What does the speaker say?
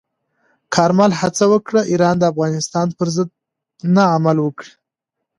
کارمل هڅه وکړه، ایران د افغانستان پر ضد نه عمل وکړي.